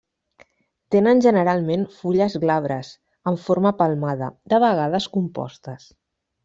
Tenen generalment fulles glabres, amb forma palmada, de vegades compostes.